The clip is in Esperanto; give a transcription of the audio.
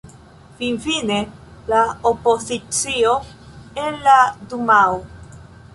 Finfine la opozicio en la dumao.